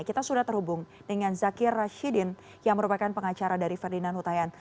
kita sudah terhubung dengan zakir rashidin yang merupakan pengacara dari ferdinand hutayan